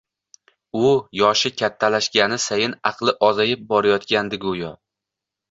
Uyoshi kattalashgani sayin aqli ozayib borayotgandi go`yo